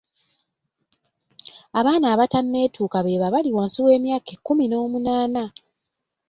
Abaana abatanetuuka beebo abali wansi w'emyaka ekkumi n'omunaana .